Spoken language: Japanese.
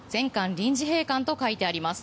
臨時閉館と書いてあります。